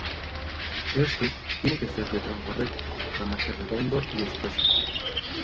Este tiene que ser de tronco recto, ramaje redondo y espeso.